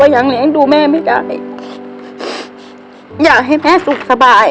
ยังเลี้ยงดูแม่ไม่ได้อยากให้แม่สุขสบาย